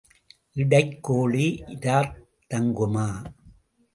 இடைக் கோழி இராத் தங்குமா?